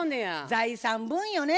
財産分与ね。